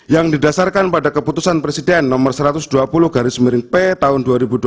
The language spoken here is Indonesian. yang didasarkan pada keputusan presiden nomor satu ratus dua puluh garis miring p tahun dua ribu dua puluh